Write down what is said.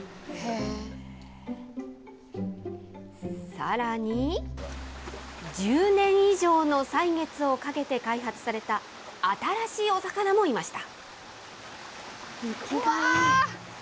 さらに、１０年以上の歳月をかけて開発された新しいお魚もいました。